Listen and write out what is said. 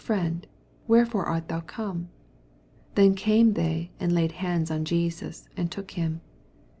Friend, wherefore art thon come ? Tnen came thev, and laid hands oa Jesus, and took him.